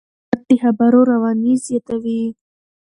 عبارت د خبرو رواني زیاتوي.